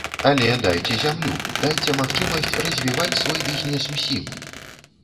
Але дайце зямлю, дайце магчымасць развіваць свой бізнес усім.